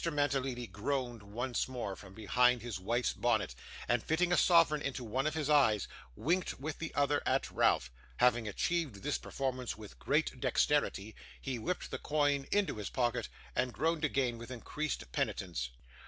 Mantalini groaned once more from behind his wife's bonnet, and fitting a sovereign into one of his eyes, winked with the other at Ralph. Having achieved this performance with great dexterity, he whipped the coin into his pocket, and groaned again with increased penitence.